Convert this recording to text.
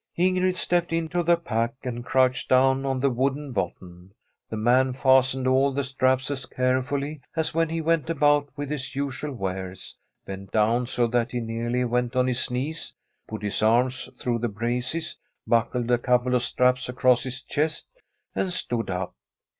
Ingrid stepped into the pack, and crouched down on the wooden bottom. The man fastened all the straps as carefully as when he went about with his usual wares, bent down so that he nearly went on his knees, put his arms through the braces, buckled a couple of straps across his chest, and stood up.